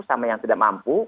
sama yang tidak mampu